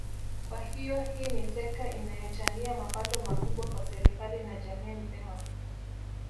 Kwa hiyo hii ni sekta inayochangia mapato makubwa kwa serikali na jamii nzima